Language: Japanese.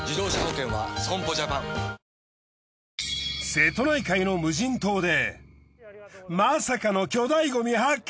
瀬戸内海の無人島でまさかの巨大ごみ発見！